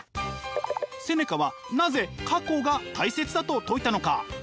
セネカはなぜ過去が大切だと説いたのか？